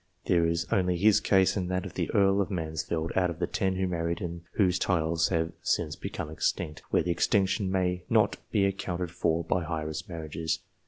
There is only his case and that of the Earl of Mansfield, out of the ten who married and whose titles have since become extinct, where the extinction may not be accounted for by heiress marriages.